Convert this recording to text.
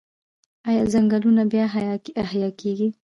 آیا ځنګلونه بیا احیا کیږي؟